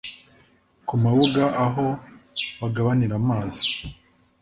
ku mabuga aho bagabanira amazi